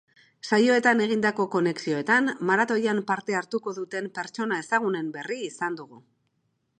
Saioetan egindako konexioetan, maratoian parte hartuko duten pertsona ezagunen berri izan dugu.